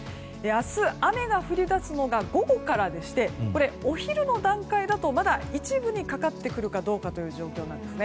明日、雨が降り出すのが午後からでしてお昼の段階だとまだ一部にかかってくるかどうかです。